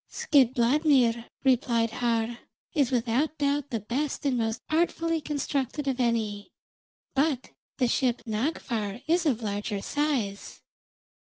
"Skidbladnir," replied Har, "is without doubt the best and most artfully constructed of any, but the ship Nagffar is of larger size.